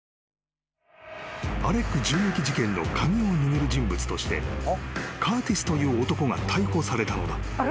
［アレック銃撃事件の鍵を握る人物としてカーティスという男が逮捕されたのだ］